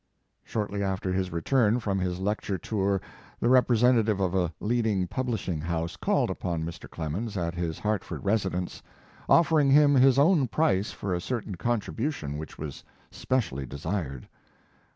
Shortly after his return from his lecture tour, the representative of a leading pub lishing house called upon Mr. Clemens at his Hartford residence, offering him his own price for a certain contribution which was specially desired.